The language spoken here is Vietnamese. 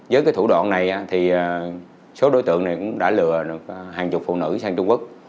với cái thủ đoạn này số đối tượng này cũng đã lừa hàng chục phụ nữ sang trung quốc